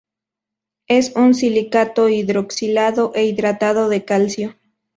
Es un silicato hidroxilado e hidratado de calcio.